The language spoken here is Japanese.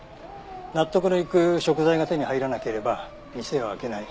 納得のいく食材が手に入らなければ店を開けない。